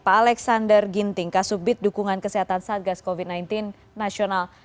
pak alexander ginting kasubit dukungan kesehatan satgas covid sembilan belas nasional